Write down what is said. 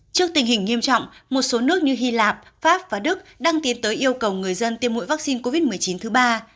trước tình hình nghiêm trọng một số nước như hy lạp pháp và đức đang tiến tới yêu cầu người dân tiêm mũi vaccine covid một mươi chín thứ ba